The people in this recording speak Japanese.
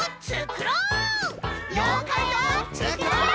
ようかいをつくろう！